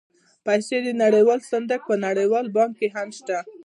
د پیسو نړیوال صندوق او نړیوال بانک هم شته